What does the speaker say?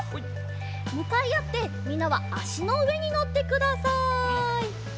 むかいあってみんなはあしのうえにのってください。